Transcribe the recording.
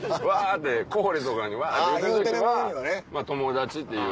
って小堀とかにわって言うてる時は友達っていう。